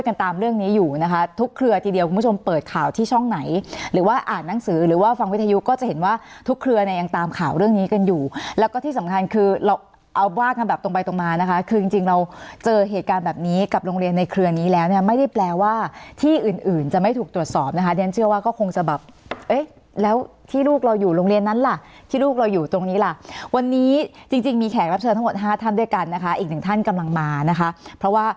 แล้วก็ที่สำคัญคือเราเอาว่างคำแบบตรงไปตรงมานะคะคือจริงเราเจอเหตุการณ์แบบนี้กับโรงเรียนในเครือนี้แล้วไม่ได้แปลว่าที่อื่นจะไม่ถูกตรวจสอบนะคะดิฉันเชื่อว่าก็คงจะแบบแล้วที่ลูกเราอยู่โรงเรียนนั้นล่ะที่ลูกเราอยู่ตรงนี้ล่ะวันนี้จริงมีแขกรับเชิญทั้งหมด๕ท่านด้วยกันนะคะอีกหนึ่งท่านกำลังมานะคะ